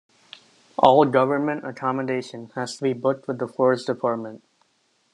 All government accommodation has to be booked with the Forest Department.